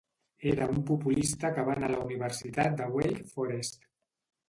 Era un populista que va anar a la universitat de Wake Forest.